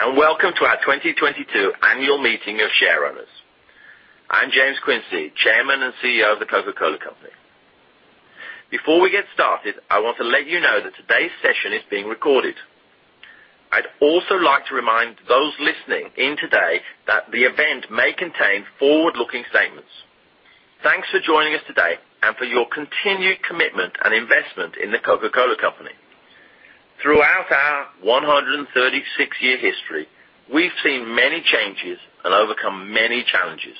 Hello, and welcome to our 2022 Annual Meeting of Shareowners. I'm James Quincey, Chairman and CEO of The Coca-Cola Company. Before we get started, I want to let you know that today's session is being recorded. I'd also like to remind those listening in today that the event may contain forward-looking statements. Thanks for joining us today and for your continued commitment and investment in The Coca-Cola Company. Throughout our 136-year history, we've seen many changes and overcome many challenges.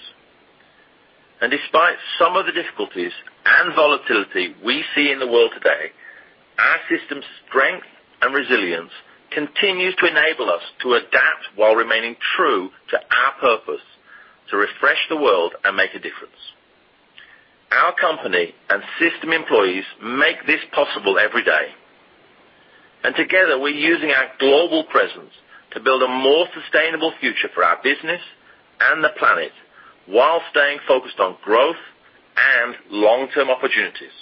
Despite some of the difficulties and volatility we see in the world today, our system's strength and resilience continues to enable us to adapt while remaining true to our purpose, to refresh the world and make a difference. Our company and system employees make this possible every day. Together, we're using our global presence to build a more sustainable future for our business and the planet while staying focused on growth and long-term opportunities.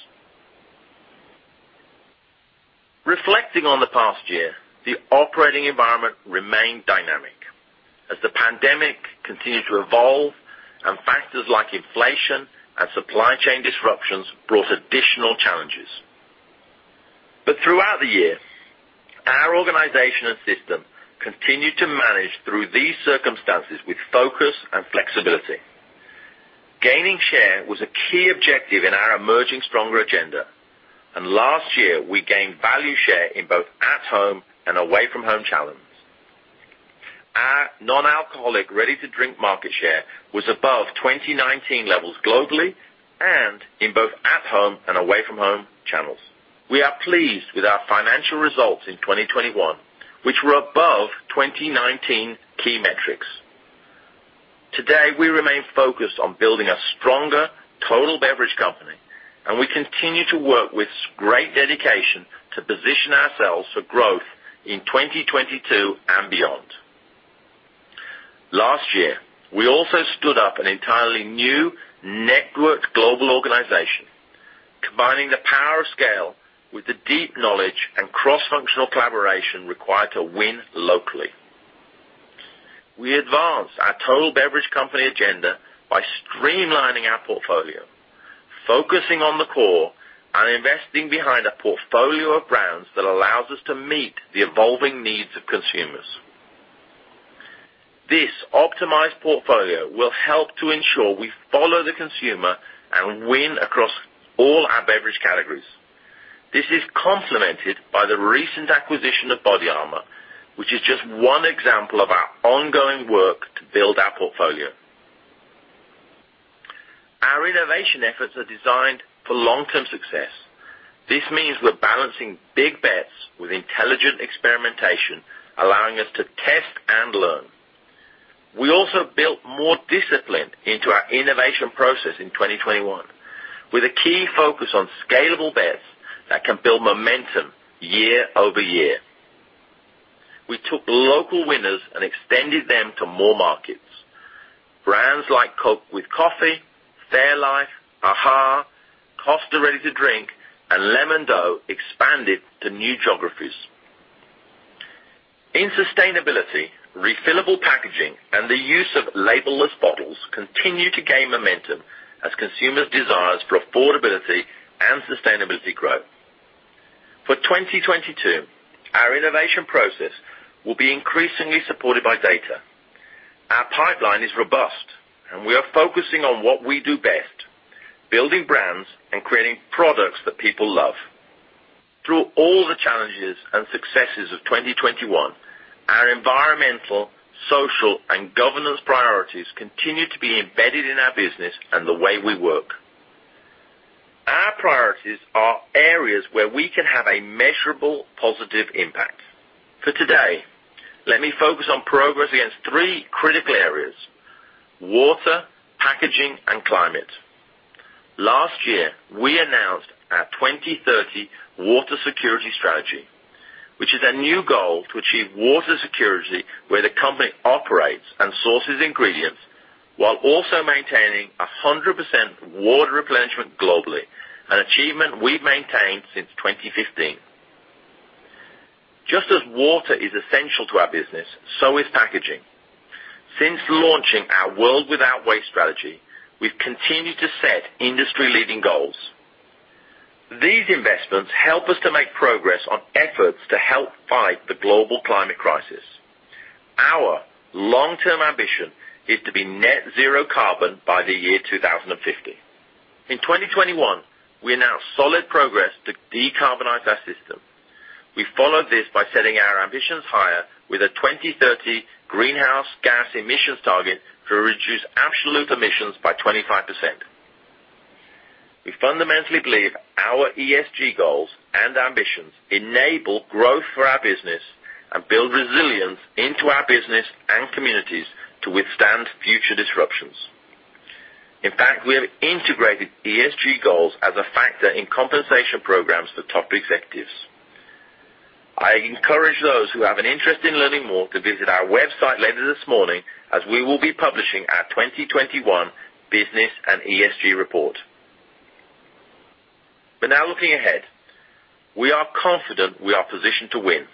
Reflecting on the past year, the operating environment remained dynamic as the pandemic continued to evolve and factors like inflation and supply chain disruptions brought additional challenges. Throughout the year, our organization and system continued to manage through these circumstances with focus and flexibility. Gaining share was a key objective in our emerging stronger agenda. And last year, we gained value share in both at home and away from home channels. Our non-alcoholic ready to drink market share was above 2019 levels globally and in both at home and away from home channels. We are pleased with our financial results in 2021, which were above 2019 key metrics. Today, we remain focused on building a stronger total beverage company, and we continue to work with great dedication to position ourselves for growth in 2022 and beyond. Last year, we also stood up an entirely new networked global organization, combining the power of scale with the deep knowledge and cross-functional collaboration required to win locally. We advanced our total beverage company agenda by streamlining our portfolio, focusing on the core, and investing behind a portfolio of brands that allows us to meet the evolving needs of consumers. This optimized portfolio will help to ensure we follow the consumer and win across all our beverage categories. This is complemented by the recent acquisition of BODYARMOR, which is just one example of our ongoing work to build our portfolio. Our innovation efforts are designed for long-term success. This means we're balancing big bets with intelligent experimentation, allowing us to test and learn. We also built more discipline into our innovation process in 2021, with a key focus on scalable bets that can build momentum year-over-year. We took local winners and extended them to more markets. Brands like Coke with Coffee, fairlife, AHA, Costa Ready-to-Drink, and Lemon-Dou expanded to new geographies. In sustainability, refillable packaging and the use of label-less bottles continue to gain momentum as consumers' desires for affordability and sustainability grow. For 2022, our innovation process will be increasingly supported by data. Our pipeline is robust, and we are focusing on what we do best, building brands and creating products that people love. Through all the challenges and successes of 2021, our environmental, social, and governance priorities continue to be embedded in our business and the way we work. Our priorities are areas where we can have a measurable positive impact. For today, let me focus on progress against three critical areas, water, packaging, and climate. Last year, we announced our 2030 water security strategy, which is a new goal to achieve water security where the company operates and sources ingredients while also maintaining 100% water replenishment globally, an achievement we've maintained since 2015. Just as water is essential to our business, so is packaging. Since launching our World Without Waste strategy, we've continued to set industry leading goals. These investments help us to make progress on efforts to help fight the global climate crisis. Our long-term ambition is to be net zero carbon by the year 2050. In 2021, we announced solid progress to decarbonize our system. We followed this by setting our ambitions higher with a 2030 greenhouse gas emissions target to reduce absolute emissions by 25%. We fundamentally believe our ESG goals and ambitions enable growth for our business and build resilience into our business and communities to withstand future disruptions. In fact, we have integrated ESG goals as a factor in compensation programs for top executives. I encourage those who have an interest in learning more to visit our website later this morning as we will be publishing our 2021 business and ESG report. Now looking ahead, we are confident we are positioned to win.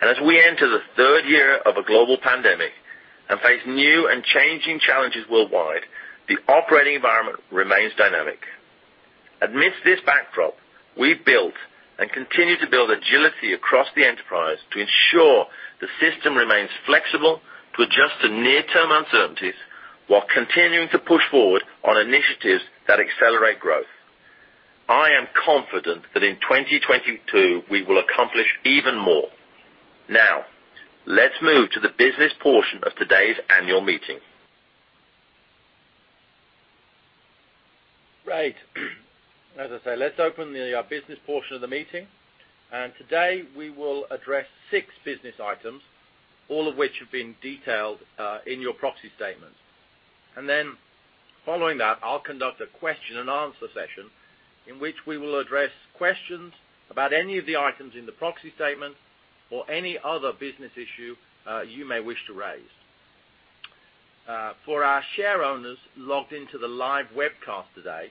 As we enter the third year of a global pandemic and face new and changing challenges worldwide, the operating environment remains dynamic. Amidst this backdrop, we've built and continue to build agility across the enterprise to ensure the system remains flexible to adjust to near-term uncertainties while continuing to push forward on initiatives that accelerate growth. I am confident that in 2022 we will accomplish even more. Now let's move to the business portion of today's annual meeting. Right. As I say, let's open the business portion of the meeting. Today we will address six business items, all of which have been detailed in your proxy statement. Then following that, I'll conduct a question and answer session in which we will address questions about any of the items in the proxy statement or any other business issue you may wish to raise. For our shareowners logged into the live webcast today,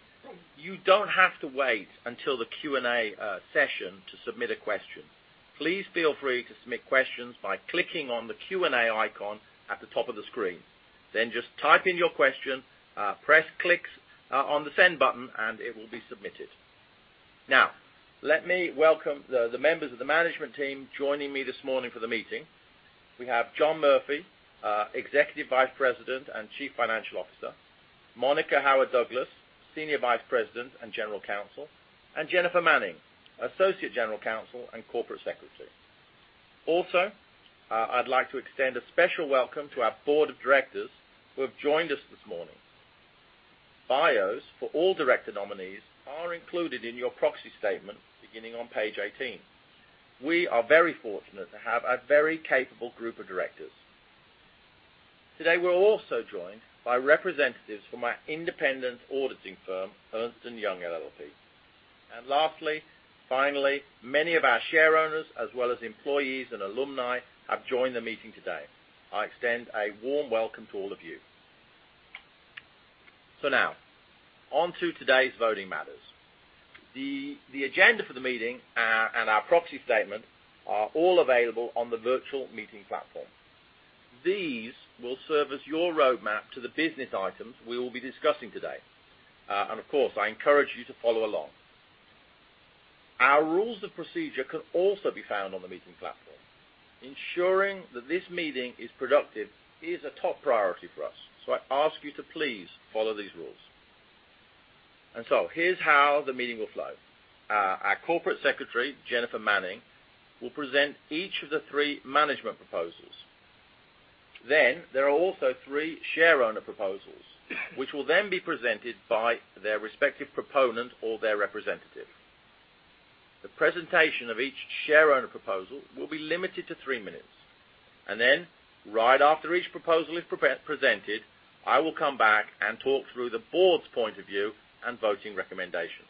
you don't have to wait until the Q&A session to submit a question. Please feel free to submit questions by clicking on the Q&A icon at the top of the screen. Then just type in your question, click on the send button and it will be submitted. Now, let me welcome the members of the management team joining me this morning for the meeting. We have John Murphy, Executive Vice President and Chief Financial Officer. Monica Howard Douglas, Senior Vice President and General Counsel, and Jennifer Manning, Associate General Counsel and Corporate Secretary. Also, I'd like to extend a special welcome to our board of directors who have joined us this morning. Bios for all director nominees are included in your proxy statement beginning on page 18. We are very fortunate to have a very capable group of directors. Today, we're also joined by representatives from our independent auditing firm, Ernst & Young LLP. Lastly, finally, many of our shareowners, as well as employees and alumni, have joined the meeting today. I extend a warm welcome to all of you. Now on to today's voting matters. The agenda for the meeting and our proxy statement are all available on the virtual meeting platform. These will serve as your roadmap to the business items we will be discussing today. And of course, I encourage you to follow along. Our rules of procedure can also be found on the meeting platform. Ensuring that this meeting is productive is a top priority for us, so I ask you to please follow these rules. Here's how the meeting will flow. Our corporate secretary, Jennifer Manning, will present each of the three management proposals. Then there are also three shareowner proposals which will then be presented by their respective proponent or their representative. The presentation of each shareowner proposal will be limited to three minutes. Then right after each proposal is presented, I will come back and talk through the board's point of view and voting recommendations.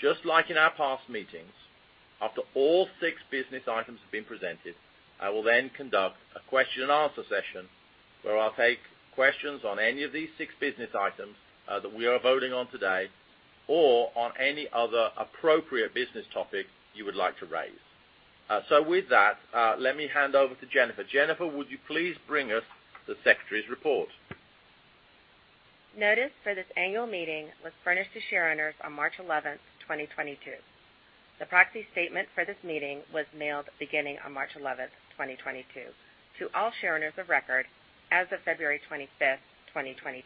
Just like in our past meetings, after all six business items have been presented, I will then conduct a question and answer session where I'll take questions on any of these six business items that we are voting on today or on any other appropriate business topic you would like to raise. With that, let me hand over to Jennifer. Jennifer, would you please bring us the secretary's report? Notice for this annual meeting was furnished to shareowners on March 11, 2022. The proxy statement for this meeting was mailed beginning on March 11, 2022 to all shareowners of record as of February 25, 2022.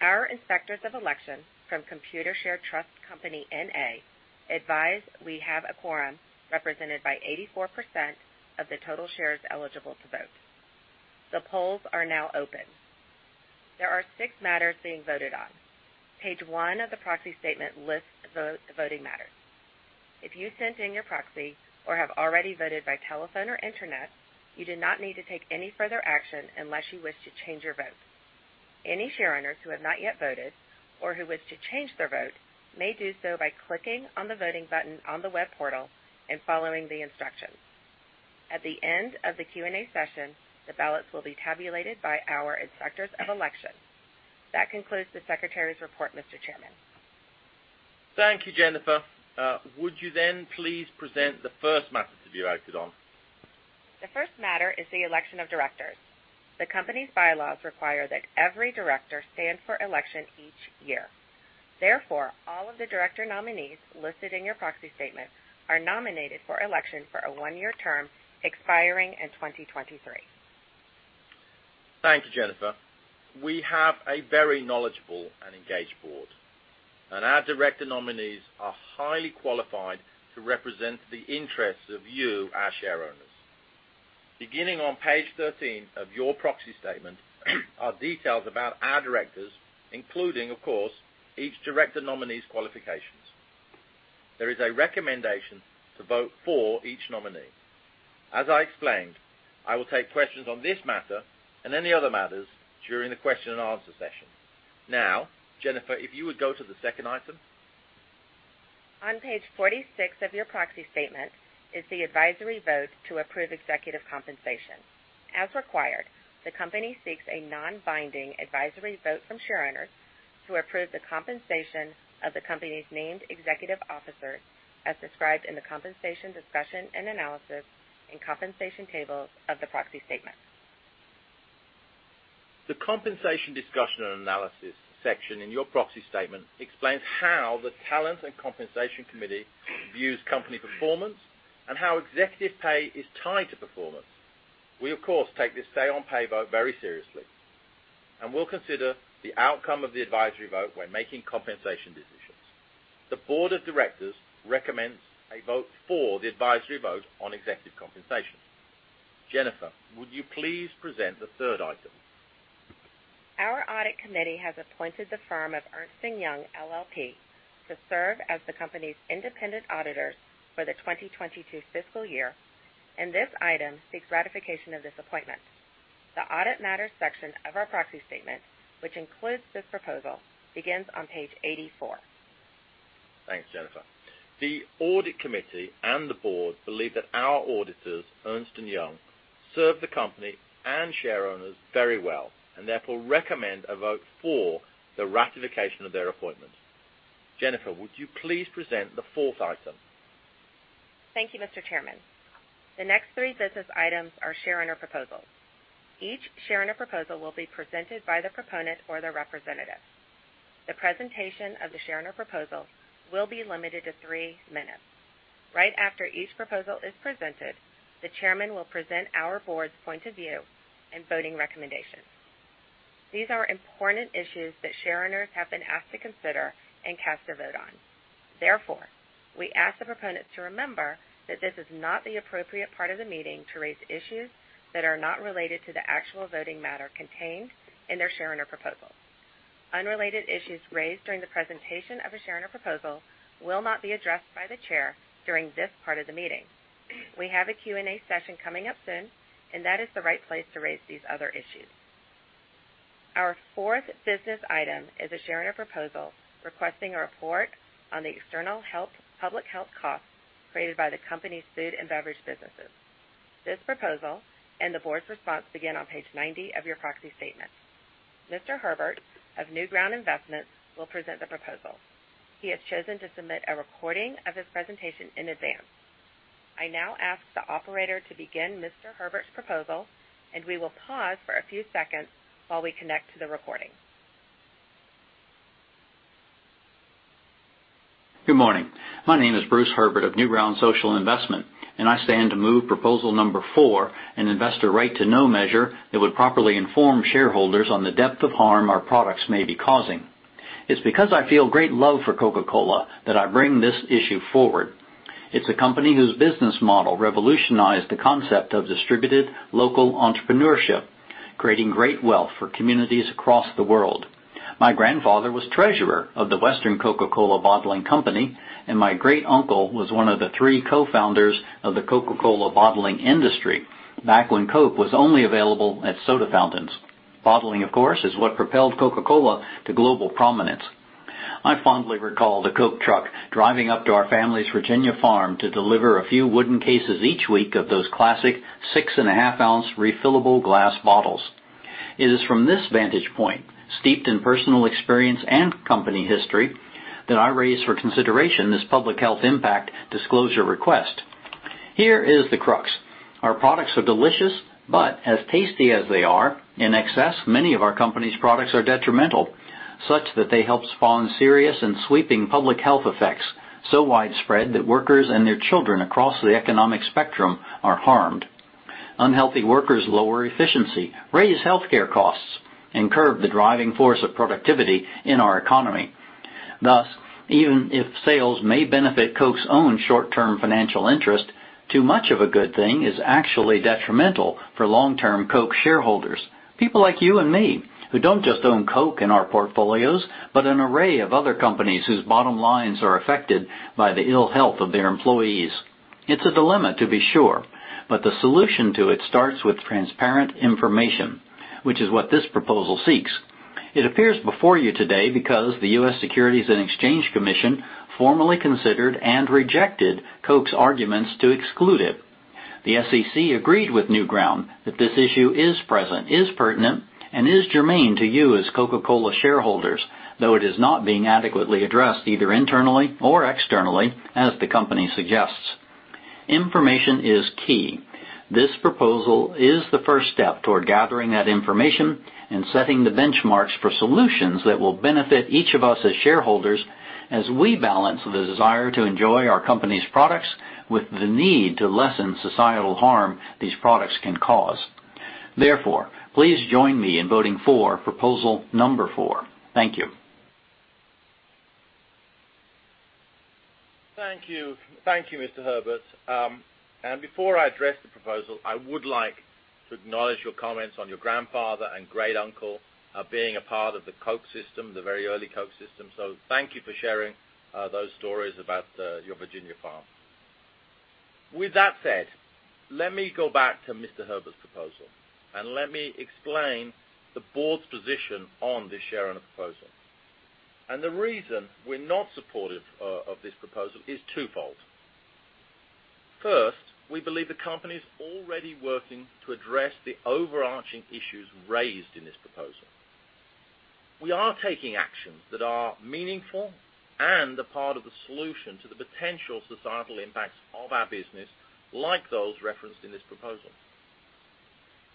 Our Inspectors of Election from Computershare Trust Company, N.A. advise we have a quorum represented by 84% of the total shares eligible to vote. The polls are now open. There are six matters being voted on. Page one of the proxy statement lists the voting matters. If you sent in your proxy or have already voted by telephone or internet, you do not need to take any further action unless you wish to change your vote. Any shareowners who have not yet voted or who wish to change their vote may do so by clicking on the voting button on the web portal and following the instructions. At the end of the Q&A session, the ballots will be tabulated by our Inspectors of Election. That concludes the secretary's report, Mr. Chairman. Thank you, Jennifer. Would you then please present the first matter to be acted on? The first matter is the election of directors. The company's bylaws require that every director stand for election each year. Therefore, all of the director nominees listed in your proxy statement are nominated for election for a one-year term expiring in 2023. Thank you, Jennifer. We have a very knowledgeable and engaged board, and our director nominees are highly qualified to represent the interests of you, our shareowners. Beginning on page 13 of your proxy statement are details about our directors, including, of course, each director nominee's qualifications. There is a recommendation to vote for each nominee. As I explained, I will take questions on this matter and any other matters during the question and answer session. Now, Jennifer, if you would go to the second item. On page 46 of your proxy statement is the advisory vote to approve executive compensation. As required, the company seeks a non-binding advisory vote from shareowners to approve the compensation of the company's named executive officer as described in the compensation discussion and analysis in compensation tables of the proxy statement. The compensation discussion and analysis section in your proxy statement explains how the Talent and Compensation Committee views company performance and how executive pay is tied to performance. We of course take this say on pay vote very seriously, and we'll consider the outcome of the advisory vote when making compensation decisions. The board of directors recommends a vote for the advisory vote on executive compensation. Jennifer, would you please present the third item? Our Audit Committee has appointed the firm of Ernst & Young LLP to serve as the company's independent auditors for the 2022 fiscal year, and this item seeks ratification of this appointment. The Audit Matters section of our proxy statement, which includes this proposal, begins on page 84. Thanks, Jennifer. The Audit Committee and the Board believe that our auditors, Ernst & Young, serve the company and shareowners very well, and therefore recommend a vote for the ratification of their appointment. Jennifer, would you please present the fourth item? Thank you, Mr. Chairman. The next three business items are shareowner proposals. Each shareowner proposal will be presented by the proponent or their representative. The presentation of the shareowner proposal will be limited to three minutes. Right after each proposal is presented, the chairman will present our board's point of view and voting recommendations. These are important issues that shareowners have been asked to consider and cast their vote on. Therefore, we ask the proponents to remember that this is not the appropriate part of the meeting to raise issues that are not related to the actual voting matter contained in their shareowner proposal. Unrelated issues raised during the presentation of a shareowner proposal will not be addressed by the chair during this part of the meeting. We have a Q&A session coming up soon, and that is the right place to raise these other issues. Our fourth business item is a shareowner proposal requesting a report on the external health, public health costs created by the company's food and beverage businesses. This proposal and the board's response begin on page 90 of your proxy statement. Mr. Herbert of Newground Social Investment will present the proposal. He has chosen to submit a recording of his presentation in advance. I now ask the operator to begin Mr. Herbert's proposal, and we will pause for a few seconds while we connect to the recording. Good morning. My name is Bruce Herbert of Newground Social Investment, and I stand to move proposal number four, an investor right to know measure that would properly inform shareholders on the depth of harm our products may be causing. It's because I feel great love for Coca-Cola that I bring this issue forward. It's a company whose business model revolutionized the concept of distributed local entrepreneurship, creating great wealth for communities across the world. My grandfather was treasurer of the Western Coca-Cola Bottling Company, and my great uncle was one of the three co-founders of the Coca-Cola bottling industry back when Coke was only available at soda fountains. Bottling, of course, is what propelled Coca-Cola to global prominence. I fondly recall the Coke truck driving up to our family's Virginia farm to deliver a few wooden cases each week of those classic 6.5 oz refillable glass bottles. It is from this vantage point, steeped in personal experience and company history, that I raise for consideration this public health impact disclosure request. Here is the crux. Our products are delicious, but as tasty as they are, in excess, many of our company's products are detrimental, such that they help spawn serious and sweeping public health effects so widespread that workers and their children across the economic spectrum are harmed. Unhealthy workers lower efficiency, raise healthcare costs, and curb the driving force of productivity in our economy. Thus, even if sales may benefit Coke's own short-term financial interest, too much of a good thing is actually detrimental for long-term Coke shareholders. People like you and me, who don't just own Coke in our portfolios, but an array of other companies whose bottom lines are affected by the ill health of their employees. It's a dilemma, to be sure, but the solution to it starts with transparent information, which is what this proposal seeks. It appears before you today because the U.S. Securities and Exchange Commission formally considered and rejected Coke's arguments to exclude it. The SEC agreed with Newground that this issue is present, is pertinent, and is germane to you as Coca-Cola shareholders, though it is not being adequately addressed either internally or externally as the company suggests. Information is key. This proposal is the first step toward gathering that information and setting the benchmarks for solutions that will benefit each of us as shareholders as we balance the desire to enjoy our company's products with the need to lessen societal harm these products can cause. Therefore, please join me in voting for proposal number four. Thank you. Thank you. Thank you, Mr. Herbert. Before I address the proposal, I would like to acknowledge your comments on your grandfather and great uncle being a part of the Coke system, the very early Coke system. Thank you for sharing those stories about your Virginia farm. With that said, let me go back to Mr. Herbert's proposal and let me explain the board's position on the shareowner proposal. The reason we're not supportive of this proposal is twofold. First, we believe the company's already working to address the overarching issues raised in this proposal. We are taking actions that are meaningful and a part of the solution to the potential societal impacts of our business, like those referenced in this proposal.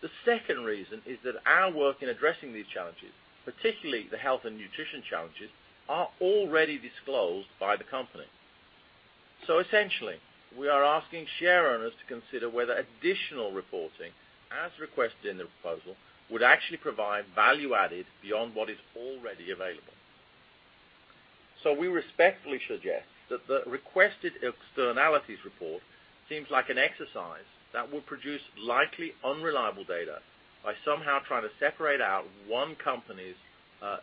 The second reason is that our work in addressing these challenges, particularly the health and nutrition challenges, are already disclosed by the company. Essentially, we are asking shareowners to consider whether additional reporting as requested in the proposal would actually provide value added beyond what is already available. We respectfully suggest that the requested externalities report seems like an exercise that will produce likely unreliable data by somehow trying to separate out one company's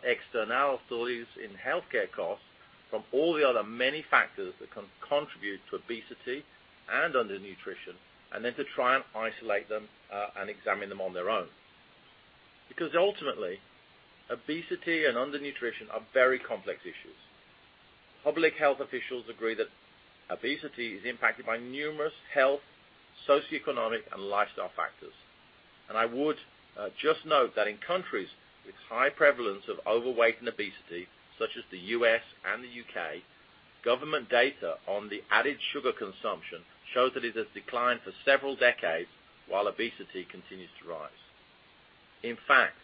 externalities in healthcare costs from all the other many factors that contribute to obesity and undernutrition, and then to try and isolate them and examine them on their own. Because ultimately, obesity and undernutrition are very complex issues. Public health officials agree that obesity is impacted by numerous health, socioeconomic, and lifestyle factors. I would just note that in countries with high prevalence of overweight and obesity, such as the U.S. and the U.K., government data on the added sugar consumption shows that it has declined for several decades while obesity continues to rise. In fact,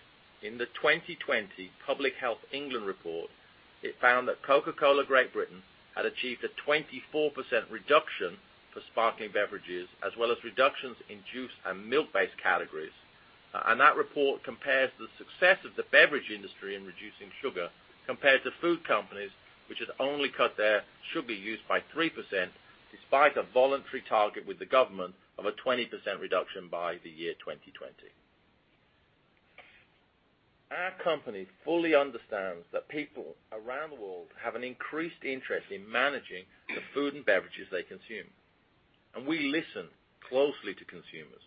in the 2020 Public Health England report, it found that Coca-Cola Great Britain had achieved a 24% reduction for sparkling beverages, as well as reductions in juice and milk-based categories. That report compares the success of the beverage industry in reducing sugar compared to food companies, which has only cut their sugar use by 3% despite a voluntary target with the government of a 20% reduction by the year 2020. Our company fully understands that people around the world have an increased interest in managing the food and beverages they consume, and we listen closely to consumers.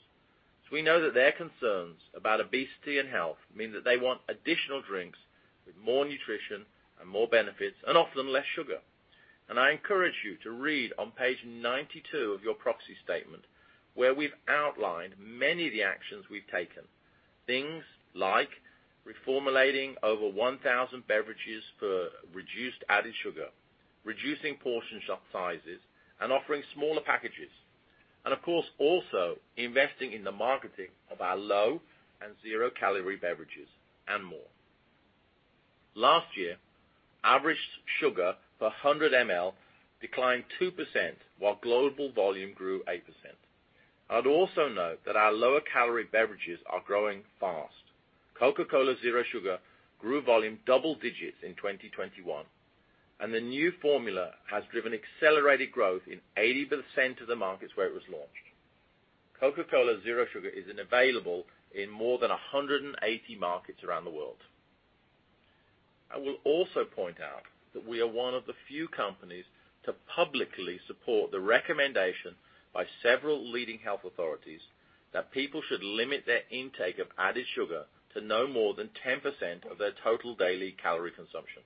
We know that their concerns about obesity and health mean that they want additional drinks with more nutrition and more benefits and often less sugar. I encourage you to read on page 92 of your proxy statement, where we've outlined many of the actions we've taken. Things like reformulating over 1,000 beverages for reduced added sugar, reducing portion sizes, and offering smaller packages, and of course, also investing in the marketing of our low and zero-calorie beverages, and more. Last year, average sugar per 100 ml declined 2% while global volume grew 8%. I'd also note that our lower-calorie beverages are growing fast. Coca-Cola Zero Sugar grew volume double digits in 2021, and the new formula has driven accelerated growth in 80% of the markets where it was launched. Coca-Cola Zero Sugar is available in more than 180 markets around the world. I will also point out that we are one of the few companies to publicly support the recommendation by several leading health authorities that people should limit their intake of added sugar to no more than 10% of their total daily calorie consumption.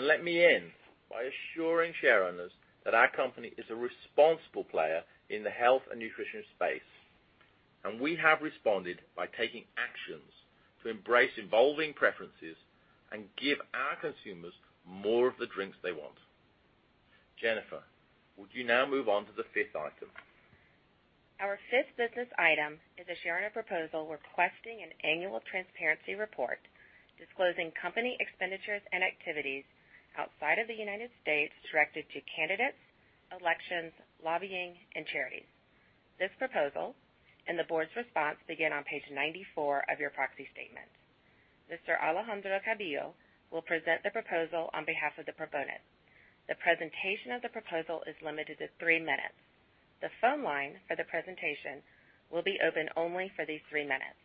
Let me end by assuring shareowners that our company is a responsible player in the health and nutrition space, and we have responded by taking actions to embrace evolving preferences and give our consumers more of the drinks they want. Jennifer, would you now move on to the fifth item? Our fifth business item is a shareowner proposal requesting an annual transparency report disclosing company expenditures and activities outside of the United States directed to candidates, elections, lobbying, and charities. This proposal and the board's response begin on page 94 of your proxy statement. Mr. Alejandro Calvillo will present the proposal on behalf of the proponent. The presentation of the proposal is limited to three minutes. The phone line for the presentation will be open only for these three minutes.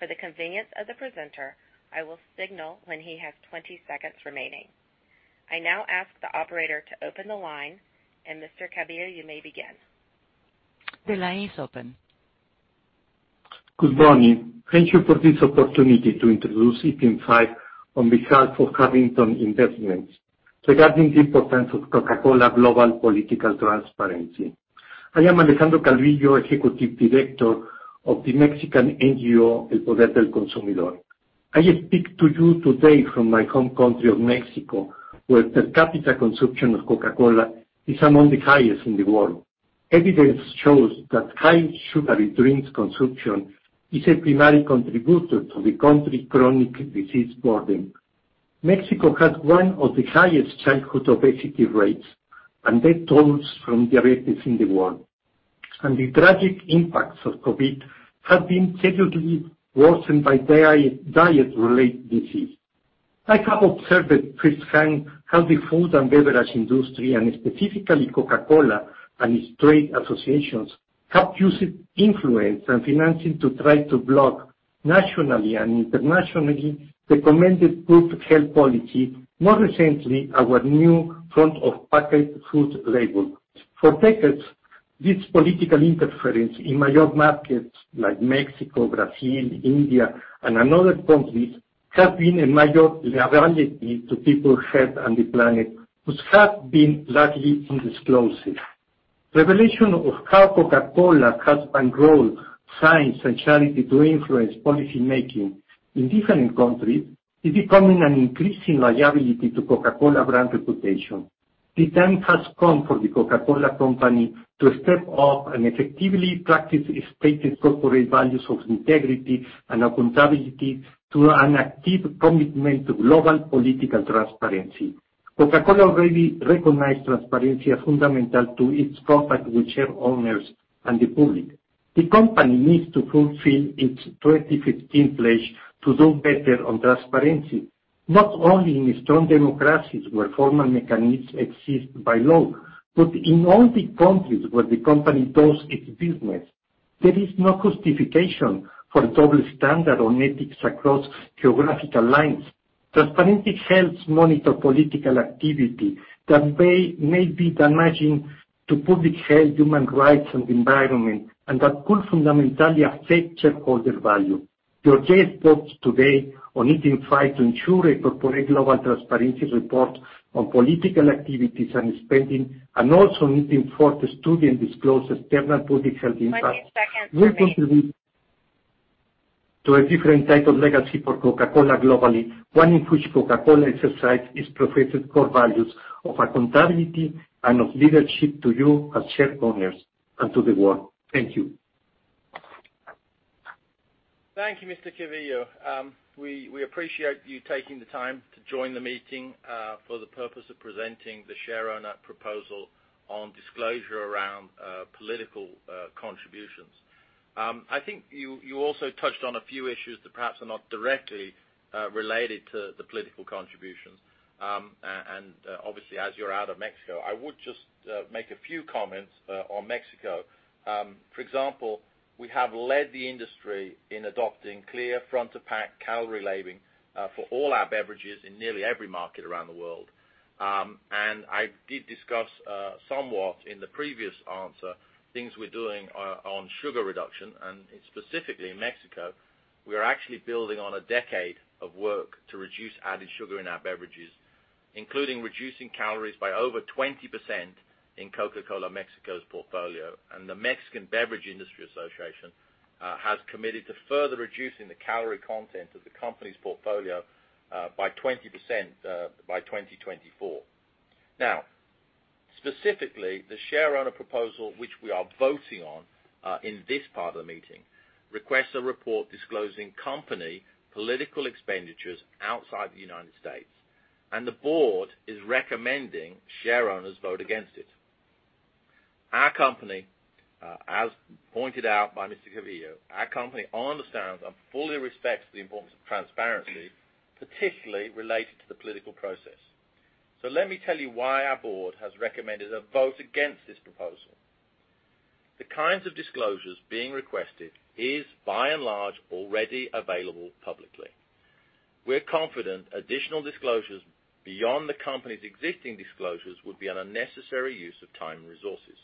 For the convenience of the presenter, I will signal when he has 20 seconds remaining. I now ask the operator to open the line, and Mr. Calvillo, you may begin. The line is open. Good morning. Thank you for this opportunity to introduce item five on behalf of Harrington Investments regarding the importance of Coca-Cola global political transparency. I am Alejandro Calvillo, Executive Director of the Mexican NGO, El Poder del Consumidor. I speak to you today from my home country of Mexico, where per capita consumption of Coca-Cola is among the highest in the world. Evidence shows that high sugary drinks consumption is a primary contributor to the country's chronic disease burden. Mexico has one of the highest childhood obesity rates and death tolls from diabetes in the world. The tragic impacts of COVID have been severely worsened by diet-related disease. I have observed firsthand how the food and beverage industry, and specifically Coca-Cola and its trade associations, have used influence and financing to try to block nationally and internationally recommended good health policy, more recently our new front-of-pack food label. For decades, this political interference in major markets like Mexico, Brazil, India and other countries has been a major liability to people's health and the planet, which has been largely undisclosed. Revelation of how Coca-Cola has growth science and charity to influence policymaking in different countries is becoming an increasing liability to Coca-Cola brand reputation. The time has come for the Coca-Cola Company to step up and effectively practice its stated corporate values of integrity and accountability through an active commitment to global political transparency. Coca-Cola already recognized transparency as fundamental to its compact with shareowners and the public. The company needs to fulfill its 2015 pledge to do better on transparency, not only in strong democracies where formal mechanisms exist by law, but in all the countries where the company does its business. There is no justification for double standard on ethics across geographical lines. Transparency helps monitor political activity that may be damaging to public health, human rights and environment, and that could fundamentally affect shareholder value. Your yes votes today on needing five to ensure a corporate global transparency report on political activities and spending, and also needing four to study and disclose external public health impact Twenty seconds remaining. Will contribute to a different type of legacy for Coca-Cola globally, one in which Coca-Cola exercises its professed core values of accountability and of leadership to you as shareowners and to the world. Thank you. Thank you, Mr. Calvillo. We appreciate you taking the time to join the meeting for the purpose of presenting the shareowner proposal on disclosure around political contributions. I think you also touched on a few issues that perhaps are not directly related to the political contributions. Obviously, as you're out of Mexico, I would just make a few comments on Mexico. For example, we have led the industry in adopting clear front of pack calorie labeling for all our beverages in nearly every market around the world. I did discuss somewhat in the previous answer things we're doing on sugar reduction. Specifically in Mexico, we are actually building on a decade of work to reduce added sugar in our beverages, including reducing calories by over 20% in Coca-Cola Mexico's portfolio. The Mexican Beverage Industry Association has committed to further reducing the calorie content of the company's portfolio by 20% by 2024. Now, specifically, the shareowner proposal which we are voting on in this part of the meeting requests a report disclosing company political expenditures outside the United States. The board is recommending shareowners vote against it. Our company, as pointed out by Mr. Calvillo, our company understands and fully respects the importance of transparency, particularly related to the political process. Let me tell you why our board has recommended a vote against this proposal. The kinds of disclosures being requested is by and large, already available publicly. We're confident additional disclosures beyond the company's existing disclosures would be an unnecessary use of time and resources.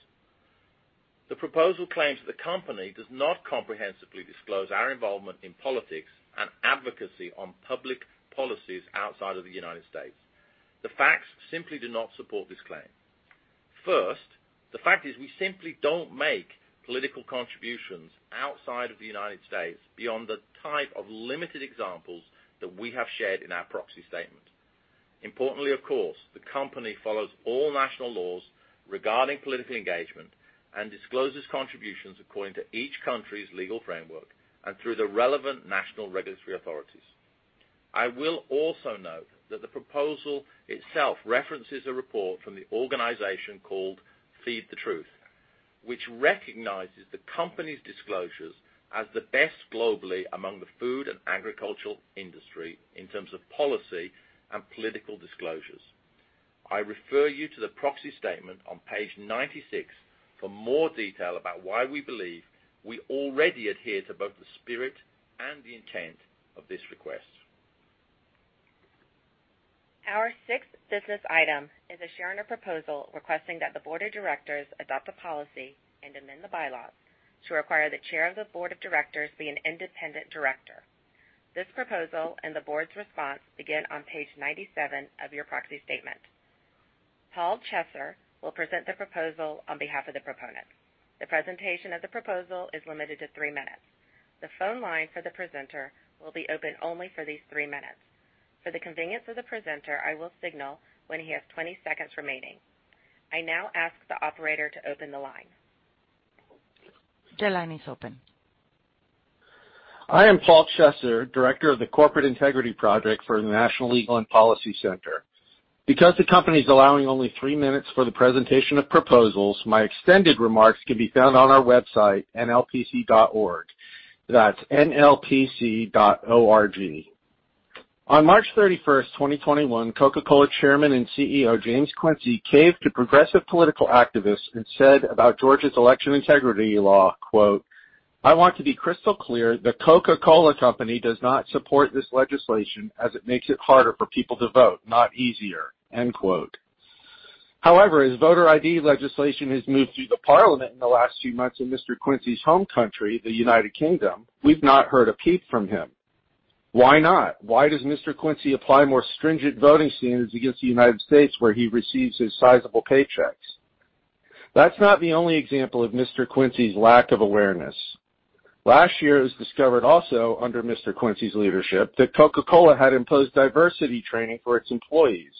The proposal claims the company does not comprehensively disclose our involvement in politics and advocacy on public policies outside of the United States. The facts simply do not support this claim. First, the fact is we simply don't make political contributions outside of the United States beyond the type of limited examples that we have shared in our proxy statement. Importantly, of course, the company follows all national laws regarding political engagement and discloses contributions according to each country's legal framework and through the relevant national regulatory authorities. I will also note that the proposal itself references a report from the organization called Feed the Truth, which recognizes the company's disclosures as the best globally among the food and agricultural industry in terms of policy and political disclosures. I refer you to the proxy statement on page 96 for more detail about why we believe we already adhere to both the spirit and the intent of this request. Our sixth business item is a shareowner proposal requesting that the board of directors adopt a policy and amend the bylaws to require the chair of the board of directors be an independent director. This proposal and the board's response begin on page 97 of your proxy statement. Paul Chesser will present the proposal on behalf of the proponents. The presentation of the proposal is limited to three minutes. The phone line for the presenter will be open only for these three minutes. For the convenience of the presenter, I will signal when he has 20 seconds remaining. I now ask the operator to open the line. The line is open. I am Paul Chesser, Director of the Corporate Integrity Project for the National Legal and Policy Center. Because the company is allowing only three minutes for the presentation of proposals, my extended remarks can be found on our website, nlpc.org. That's nlpc.org. On March 31st, 2021, Coca-Cola Chairman and CEO, James Quincey, caved to progressive political activists and said about Georgia's election integrity law, quote, "I want to be crystal clear. The Coca-Cola Company does not support this legislation as it makes it harder for people to vote, not easier." End quote. However, as voter ID legislation has moved through the parliament in the last few months in Mr. Quincey's home country, the United Kingdom, we've not heard a peep from him. Why not? Why does Mr. Quincey apply more stringent voting standards against the United States where he receives his sizable paychecks? That's not the only example of Mr. Quincey's lack of awareness. Last year, it was discovered also under Mr. Quincey's leadership that Coca-Cola had imposed diversity training for its employees.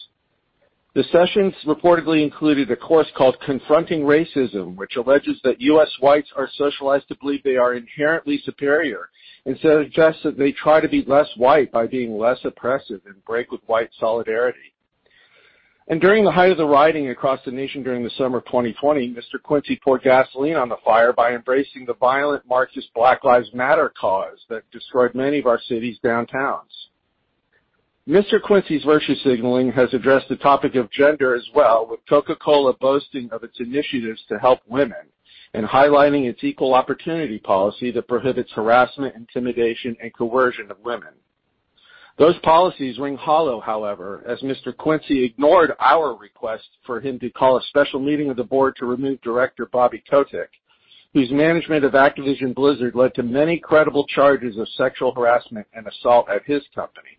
The sessions reportedly included a course called Confronting Racism, which alleges that U.S. whites are socialized to believe they are inherently superior, and so it suggests that they try to be less white by being less oppressive and break with white solidarity. And, during the height of the rioting across the nation during the summer of 2020, Mr. Quincey poured gasoline on the fire by embracing the violent Marxist Black Lives Matter cause that destroyed many of our city's downtowns. Mr. Quincey's virtue signaling has addressed the topic of gender as well, with Coca-Cola boasting of its initiatives to help women and highlighting its equal opportunity policy that prohibits harassment, intimidation, and coercion of women. Those policies ring hollow, however, as Mr. Quincey ignored our request for him to call a special meeting of the board to remove director Bobby Kotick, whose management of Activision Blizzard led to many credible charges of sexual harassment and assault at his company.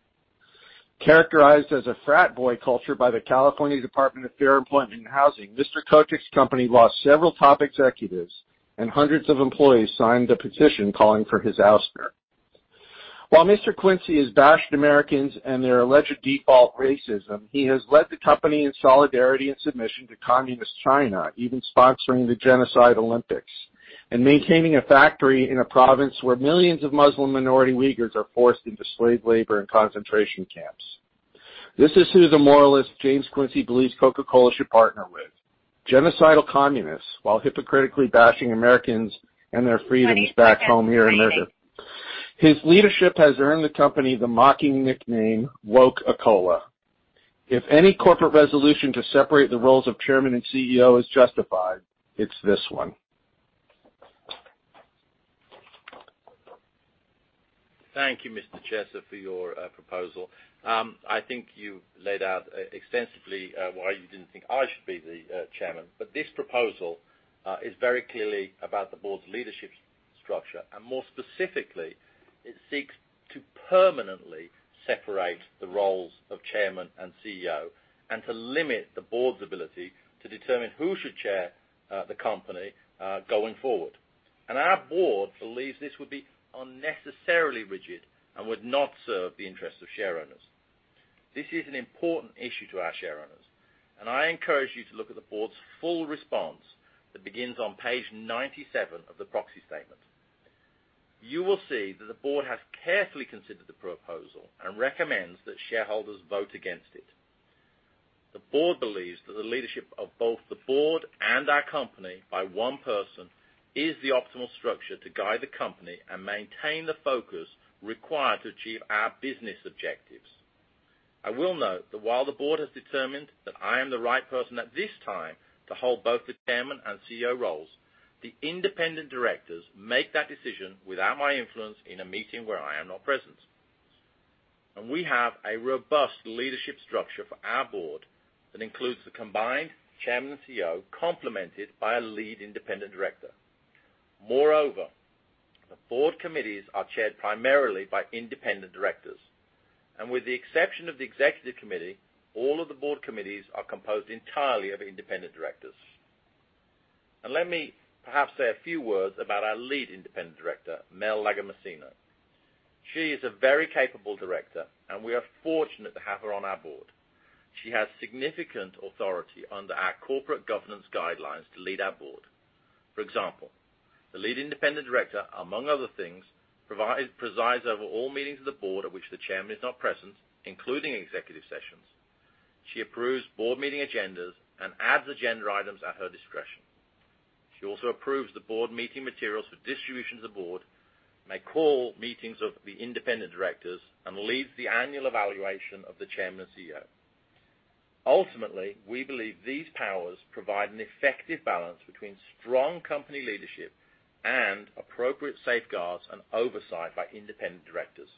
Characterized as a frat boy culture by the California Department of Fair Employment and Housing, Mr. Kotick's company lost several top executives, and hundreds of employees signed a petition calling for his ouster. While Mr. Quincey has bashed Americans and their alleged default racism, he has led the company in solidarity and submission to communist China, even sponsoring the Genocide Olympics and maintaining a factory in a province where millions of Muslim minority Uyghurs are forced into slave labor and concentration camps. This is who the moralist James Quincey believes Coca-Cola should partner with, genocidal communists, while hypocritically bashing Americans and their freedoms back home here in America. His leadership has earned the company the mocking nickname Woke-a-Cola. If any corporate resolution to separate the roles of chairman and CEO is justified, it's this one. Thank you, Mr. Chesser, for your proposal. I think you laid out extensively why you didn't think I should be the chairman, but this proposal is very clearly about the board's leadership structure. More specifically, it seeks to permanently separate the roles of Chairman and CEO and to limit the board's ability to determine who should chair the company going forward. Our board believes this would be unnecessarily rigid and would not serve the interests of shareowners. This is an important issue to our shareowners, and I encourage you to look at the board's full response that begins on page 97 of the proxy statement. You will see that the board has carefully considered the proposal and recommends that shareholders vote against it. The board believes that the leadership of both the board and our company by one person is the optimal structure to guide the company and maintain the focus required to achieve our business objectives. I will note that while the board has determined that I am the right person at this time to hold both the Chairman and CEO roles, the independent directors make that decision without my influence in a meeting where I am not present. We have a robust leadership structure for our board that includes the combined Chairman and CEO, complemented by a Lead Independent Director. Moreover, the board committees are chaired primarily by independent directors. With the exception of the executive committee, all of the board committees are composed entirely of independent directors. Let me perhaps say a few words about our Lead Independent Director, Mel Lagomasino. She is a very capable director, and we are fortunate to have her on our board. She has significant authority under our corporate governance guidelines to lead our board. For example, the Lead Independent Director, among other things, presides over all meetings of the board at which the Chairman is not present, including executive sessions. She approves board meeting agendas and adds agenda items at her discretion. She also approves the board meeting materials for distribution to the board, may call meetings of the independent directors, and leads the annual evaluation of the Chairman and CEO. Ultimately, we believe these powers provide an effective balance between strong company leadership and appropriate safeguards and oversight by independent directors.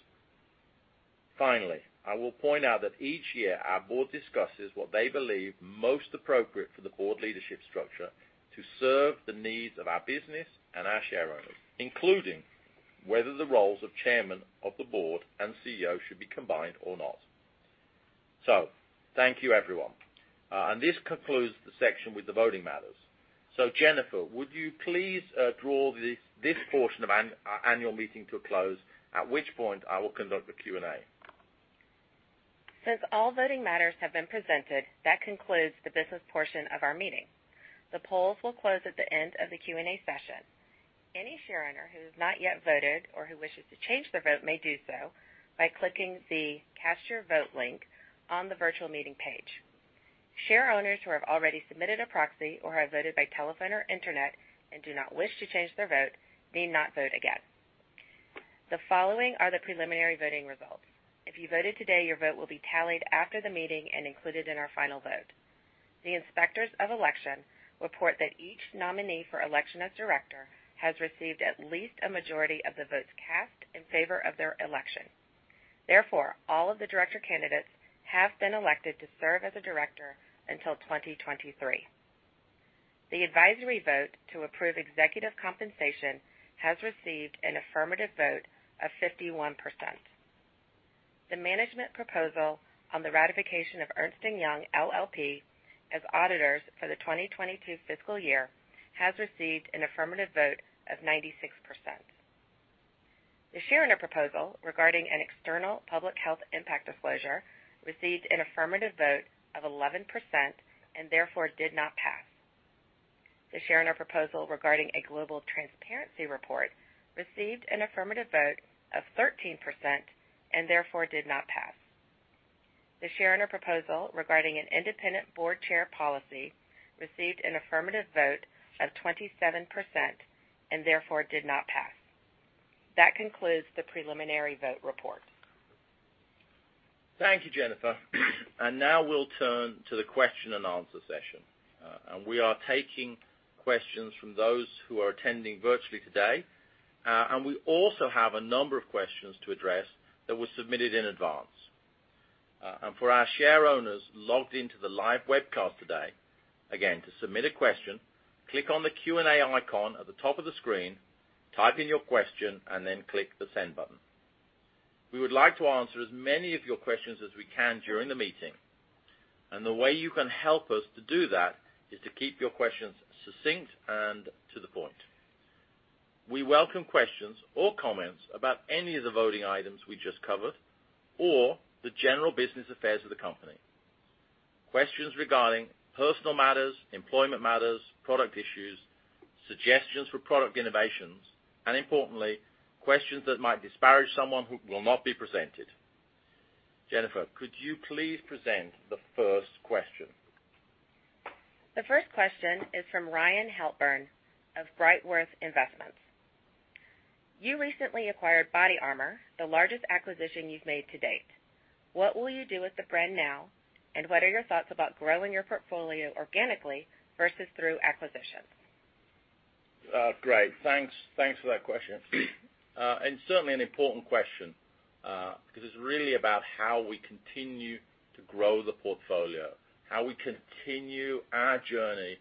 Finally, I will point out that each year, our board discusses what they believe most appropriate for the board leadership structure to serve the needs of our business and our shareowners, including whether the roles of chairman of the board and CEO should be combined or not. Thank you, everyone. This concludes the section with the voting matters. Jennifer, would you please draw this portion of our annual meeting to a close, at which point I will conduct the Q&A? Since all voting matters have been presented, that concludes the business portion of our meeting. The polls will close at the end of the Q&A session. Any shareowner who has not yet voted or who wishes to change their vote may do so by clicking the Cast Your Vote link on the virtual meeting page. Shareowners who have already submitted a proxy or have voted by telephone or internet and do not wish to change their vote, need not vote again. The following are the preliminary voting results. If you voted today, your vote will be tallied after the meeting and included in our final vote. The Inspectors of Election report that each nominee for election as director has received at least a majority of the votes cast in favor of their election. Therefore, all of the director candidates have been elected to serve as a director until 2023. The advisory vote to approve executive compensation has received an affirmative vote of 51%. The management proposal on the ratification of Ernst & Young LLP as auditors for the 2022 fiscal year has received an affirmative vote of 96%. The shareowner proposal regarding an external public health impact disclosure received an affirmative vote of 11% and therefore did not pass. The shareowner proposal regarding a global transparency report received an affirmative vote of 13% and therefore did not pass. The shareowner proposal regarding an independent board chair policy received an affirmative vote of 27% and therefore did not pass. That concludes the preliminary vote report. Thank you, Jennifer. Now we'll turn to the question and answer session. We are taking questions from those who are attending virtually today, and we also have a number of questions to address that were submitted in advance. For our share owners logged into the live webcast today, again, to submit a question, click on the Q&A icon at the top of the screen, type in your question, and then click the Send button. We would like to answer as many of your questions as we can during the meeting, and the way you can help us to do that is to keep your questions succinct and to the point. We welcome questions or comments about any of the voting items we just covered or the general business affairs of the company. Questions regarding personal matters, employment matters, product issues, suggestions for product innovations, and importantly, questions that might disparage someone will not be presented. Jennifer, could you please present the first question? The first question is from Ryan Halpern of Brightworth Investments. You recently acquired BODYARMOR, the largest acquisition you've made to date. What will you do with the brand now, and what are your thoughts about growing your portfolio organically versus through acquisitions? Great. Thanks for that question. Certainly an important question, because it's really about how we continue to grow the portfolio, how we continue our journey,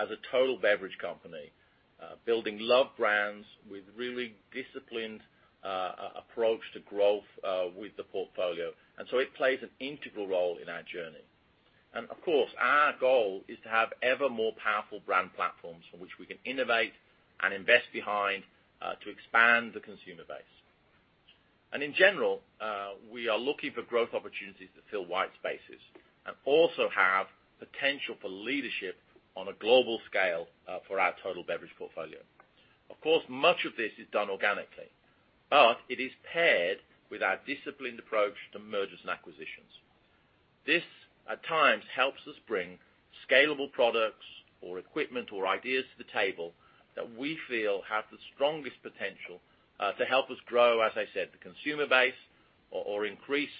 as a total beverage company, building loved brands with really disciplined, approach to growth, with the portfolio. It plays an integral role in our journey. Of course, our goal is to have ever more powerful brand platforms from which we can innovate and invest behind, to expand the consumer base. In general, we are looking for growth opportunities that fill white spaces and also have potential for leadership on a global scale, for our total beverage portfolio. Of course, much of this is done organically, but it is paired with our disciplined approach to mergers and acquisitions. This at times helps us bring scalable products or equipment or ideas to the table that we feel have the strongest potential to help us grow, as I said, the consumer base or increase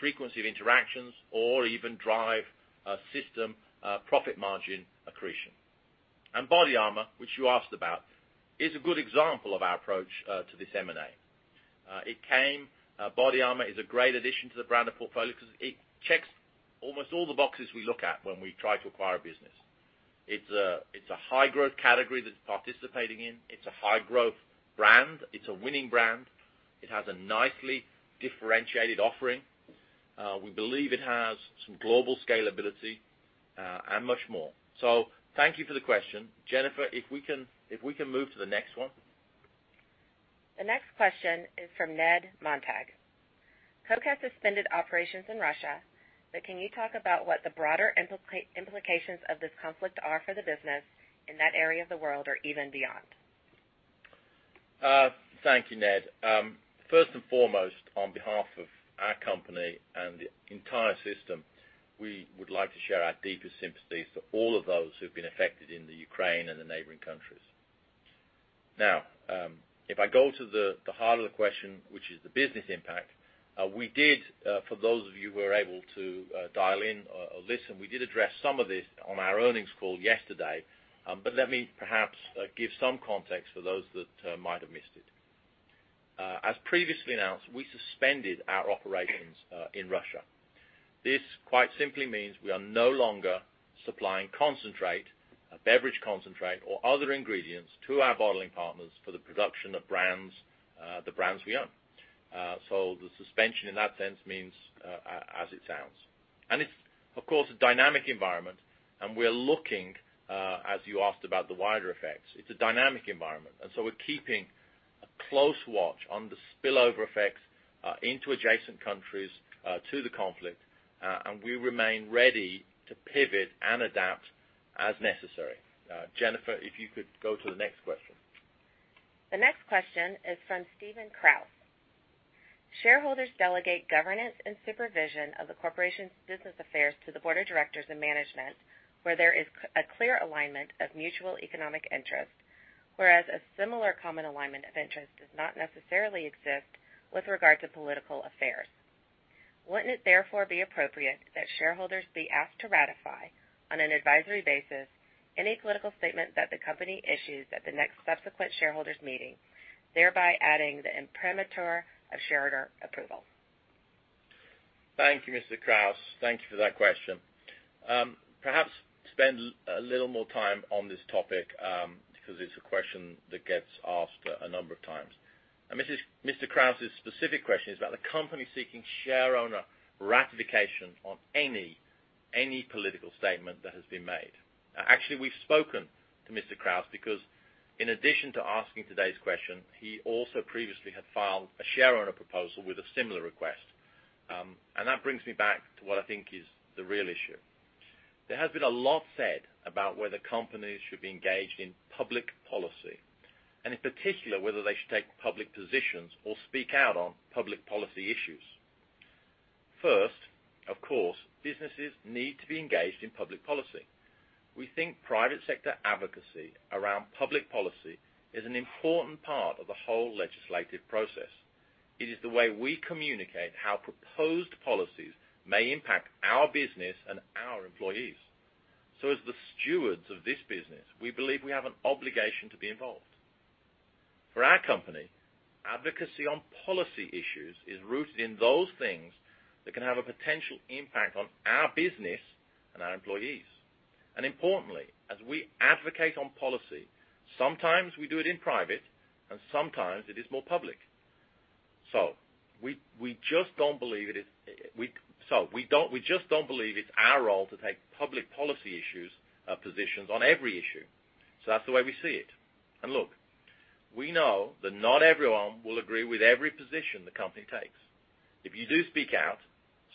frequency of interactions or even drive a system profit margin accretion. BODYARMOR, which you asked about, is a good example of our approach to this M&A. BODYARMOR is a great addition to the brand portfolio 'cause it checks almost all the boxes we look at when we try to acquire a business. It's a high growth category that it's participating in. It's a high growth brand. It's a winning brand. It has a nicely differentiated offering. We believe it has some global scalability and much more. Thank you for the question. Jennifer, if we can move to the next one. The next question is from Ned Montag. Coke has suspended operations in Russia, but can you talk about what the broader implications of this conflict are for the business in that area of the world or even beyond? Thank you, Ned. First and foremost, on behalf of our company and the entire system, we would like to share our deepest sympathies to all of those who've been affected in the Ukraine and the neighboring countries. Now, if I go to the heart of the question, which is the business impact, we did, for those of you who were able to dial in or listen, we did address some of this on our earnings call yesterday. But let me perhaps give some context for those that might have missed it. As previously announced, we suspended our operations in Russia. This quite simply means we are no longer supplying concentrate, a beverage concentrate, or other ingredients to our bottling partners for the production of brands, the brands we own. The suspension in that sense means, as it sounds. It's, of course, a dynamic environment, and we're looking, as you asked, about the wider effects. It's a dynamic environment, and we're keeping a close watch on the spillover effects, into adjacent countries, to the conflict, and we remain ready to pivot and adapt as necessary. Jennifer, if you could go to the next question. The next question is from Steven Krause. Shareholders delegate governance and supervision of the corporation's business affairs to the board of directors and management, where there is a clear alignment of mutual economic interest, whereas a similar common alignment of interest does not necessarily exist with regard to political affairs. Wouldn't it therefore be appropriate that shareholders be asked to ratify on an advisory basis any political statement that the company issues at the next subsequent shareholders meeting, thereby adding the imprimatur of shareholder approval? Thank you, Mr. Krause. Thank you for that question. Perhaps spend a little more time on this topic, because it's a question that gets asked a number of times. Mr. Krause's specific question is about the company seeking shareowner ratification on any political statement that has been made. Actually, we've spoken to Mr. Krause because in addition to asking today's question, he also previously had filed a shareowner proposal with a similar request. That brings me back to what I think is the real issue. There has been a lot said about whether companies should be engaged in public policy, and in particular, whether they should take public positions or speak out on public policy issues. First, of course, businesses need to be engaged in public policy. We think private sector advocacy around public policy is an important part of the whole legislative process. It is the way we communicate how proposed policies may impact our business and our employees. As the stewards of this business, we believe we have an obligation to be involved. For our company, advocacy on policy issues is rooted in those things that can have a potential impact on our business and our employees. Importantly, as we advocate on policy, sometimes we do it in private, and sometimes it is more public. We just don't believe it's our role to take public policy issues, positions on every issue. That's the way we see it. Look, we know that not everyone will agree with every position the company takes. If you do speak out,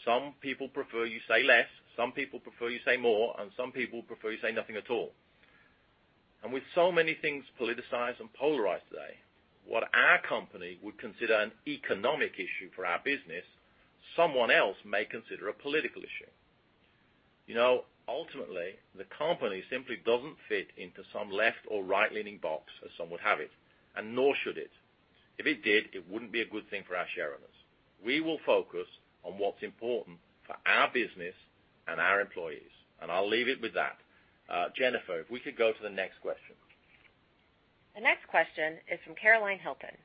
some people prefer you say less, some people prefer you say more, and some people prefer you say nothing at all. With so many things politicized and polarized today, what our company would consider an economic issue for our business, someone else may consider a political issue. You know, ultimately, the company simply doesn't fit into some left or right-leaning box as some would have it, and nor should it. If it did, it wouldn't be a good thing for our shareowners. We will focus on what's important for our business and our employees, and I'll leave it with that. Jennifer, if we could go to the next question. The next question is from Caroline Hilton.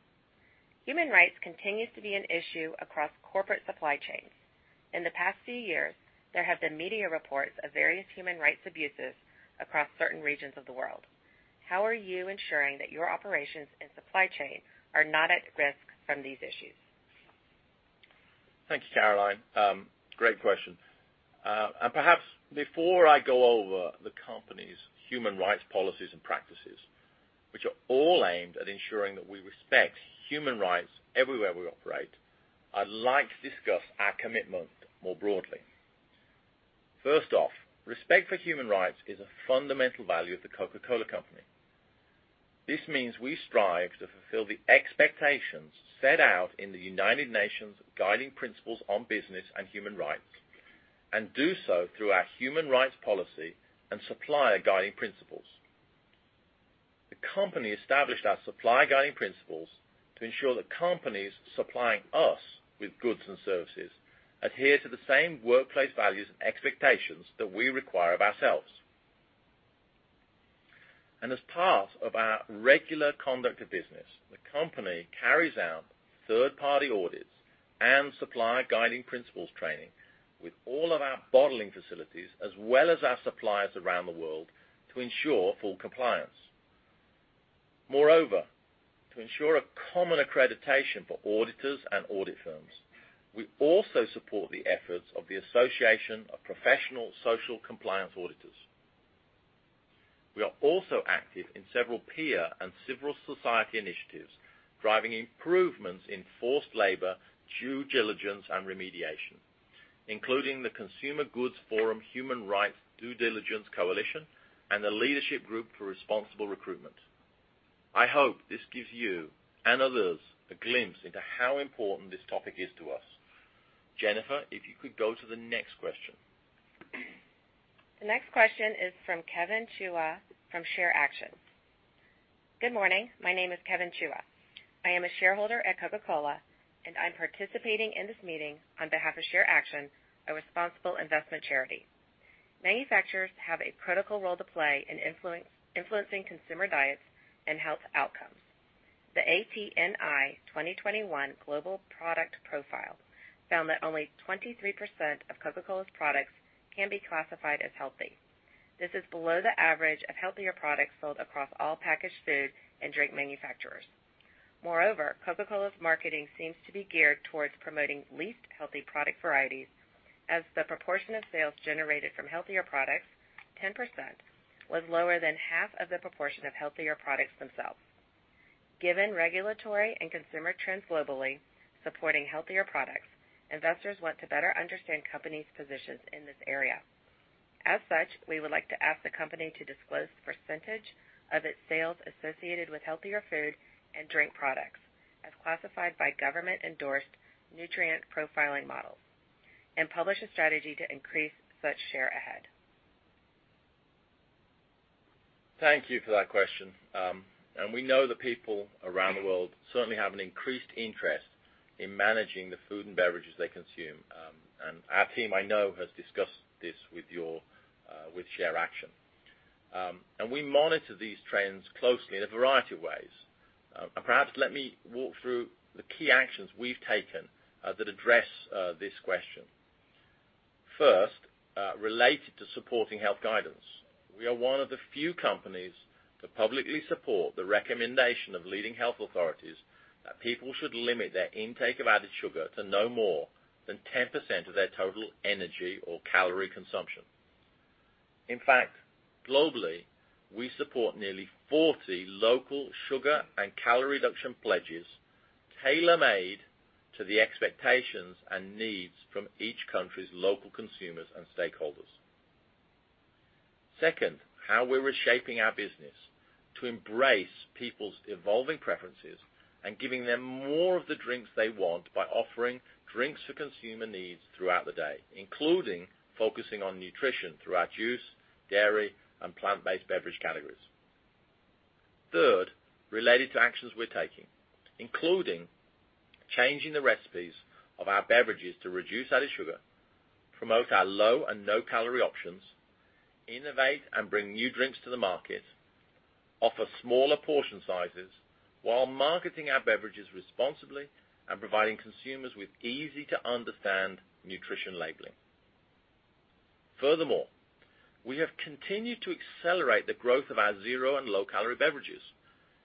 Human rights continues to be an issue across corporate supply chains. In the past few years, there have been media reports of various human rights abuses across certain regions of the world. How are you ensuring that your operations and supply chain are not at risk from these issues? Thanks, Caroline. Great question. Perhaps before I go over the company's human rights policies and practices, which are all aimed at ensuring that we respect human rights everywhere we operate, I'd like to discuss our commitment more broadly. First off, respect for human rights is a fundamental value of The Coca-Cola Company. This means we strive to fulfill the expectations set out in the United Nations Guiding Principles on Business and Human Rights, and do so through our human rights policy and supplier guiding principles. The company established our supplier guiding principles to ensure that companies supplying us with goods and services adhere to the same workplace values and expectations that we require of ourselves. As part of our regular conduct of business, the company carries out third-party audits and supplier guiding principles training with all of our bottling facilities as well as our suppliers around the world to ensure full compliance. Moreover, to ensure a common accreditation for auditors and audit firms, we also support the efforts of the Association of Professional Social Compliance Auditors. We are also active in several peer and civil society initiatives driving improvements in forced labor, due diligence, and remediation, including the Consumer Goods Forum Human Rights Due Diligence Coalition and the Leadership Group for Responsible Recruitment. I hope this gives you and others a glimpse into how important this topic is to us. Jennifer, if you could go to the next question. The next question is from Kevin Chuah from ShareAction. Good morning. My name is Kevin Chuah. I am a shareholder at Coca-Cola, and I'm participating in this meeting on behalf of ShareAction, a responsible investment charity. Manufacturers have a critical role to play in influencing consumer diets and health outcomes. The ATNI 2021 Global Product Profile found that only 23% of Coca-Cola's products can be classified as healthy. This is below the average of healthier products sold across all packaged food and drink manufacturers. Moreover, Coca-Cola's marketing seems to be geared towards promoting least healthy product varieties as the proportion of sales generated from healthier products, 10%, was lower than half of the proportion of healthier products themselves. Given regulatory and consumer trends globally supporting healthier products, investors want to better understand companies' positions in this area. As such, we would like to ask the company to disclose the percentage of its sales associated with healthier food and drink products as classified by government-endorsed nutrient profiling models, and publish a strategy to increase such share ahead. Thank you for that question. We know that people around the world certainly have an increased interest in managing the food and beverages they consume. Our team, I know, has discussed this with ShareAction. We monitor these trends closely in a variety of ways. Perhaps let me walk through the key actions we've taken that address this question. First, related to supporting health guidance. We are one of the few companies to publicly support the recommendation of leading health authorities that people should limit their intake of added sugar to no more than 10% of their total energy or calorie consumption. In fact, globally, we support nearly 40 local sugar and calorie reduction pledges tailor-made to the expectations and needs from each country's local consumers and stakeholders. Second, how we're reshaping our business to embrace people's evolving preferences and giving them more of the drinks they want by offering drinks for consumer needs throughout the day, including focusing on nutrition through our juice, dairy, and plant-based beverage categories. Third, related to actions we're taking, including changing the recipes of our beverages to reduce added sugar, promote our low and no-calorie options, innovate and bring new drinks to the market, offer smaller portion sizes while marketing our beverages responsibly and providing consumers with easy-to-understand nutrition labeling. Furthermore, we have continued to accelerate the growth of our zero and low-calorie beverages.